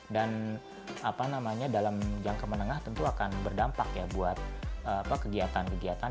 dan dalam jangka menengah tentu akan berdampak buat kegiatan kegiatan